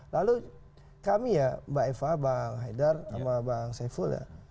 lalu kami ya mbak eva bang haidar sama bang saiful ya